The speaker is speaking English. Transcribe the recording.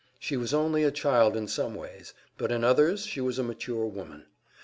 She was only a child in some ways, but in others she was a mature woman.